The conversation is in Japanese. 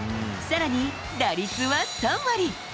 更に打率は３割。